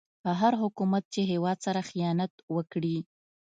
هر حکومت چې هيواد سره خيانت وکړي